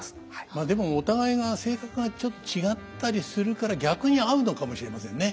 まあでもお互いが性格がちょっと違ったりするから逆に合うのかもしれませんね。